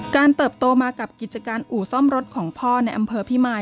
เติบโตมากับกิจการอู่ซ่อมรถของพ่อในอำเภอพิมาย